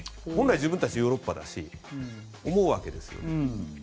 本来、自分たちはヨーロッパだし思うわけですよ。